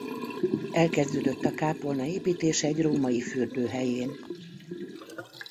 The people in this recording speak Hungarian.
Elkezdődött a kápolna építése egy római fürdő helyén.